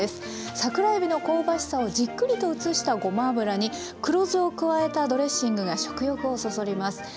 桜えびの香ばしさをじっくりと移したごま油に黒酢を加えたドレッシングが食欲をそそります。